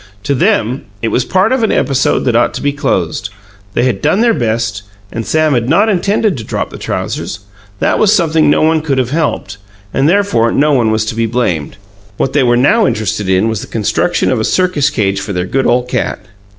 To them, it was part of an episode that ought to be closed. They had done their best, and Sam had not intended to drop the trousers; that was something no one could have helped, and therefore no one was to be blamed. What they were now interested in was the construction of a circus cage for their good ole cat.